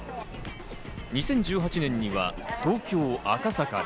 ２０１８年には東京・赤坂で。